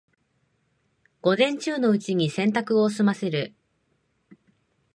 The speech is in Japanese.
午前中のうちに洗濯を済ませる